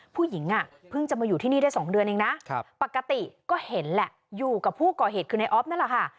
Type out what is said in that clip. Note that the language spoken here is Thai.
ผู้หญิงเพิ่งจะมาอยู่ที่นี่ได้๒เดือนเองนะปกติก็เห็นแหละอยู่กับผู้ก่อเหตุคือในออฟนั่นแหละค่ะ